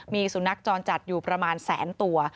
มีสุนัขจรจัดอยู่ประมาณแสนตัว